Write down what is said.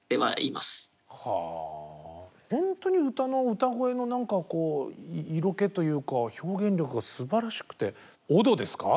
ほんとに歌の歌声の何か色気というか表現力がすばらしくて「踊」ですか？